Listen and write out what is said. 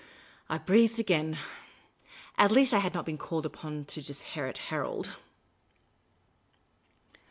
I breathed again. At least, I had not been called upon to disinherit Harold.